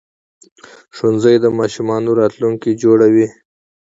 ښوونځي د ماشومانو راتلونکي جوړوي